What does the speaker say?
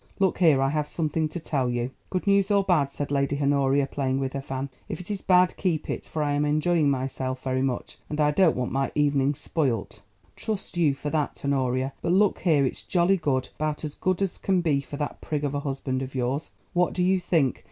Look here, I have something to tell you." "Good news or bad?" said Lady Honoria, playing with her fan. "If it is bad, keep it, for I am enjoying myself very much, and I don't want my evening spoilt." "Trust you for that, Honoria; but look here, it's jolly good, about as good as can be for that prig of a husband of yours. What do you think?